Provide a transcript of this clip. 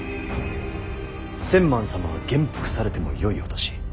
千幡様は元服されてもよいお年。